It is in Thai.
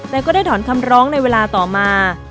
แต่ก็ได้ถอนคำร้องในเวลาต่อมา